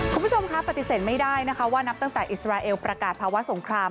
คุณผู้ชมคะปฏิเสธไม่ได้นะคะว่านับตั้งแต่อิสราเอลประกาศภาวะสงคราม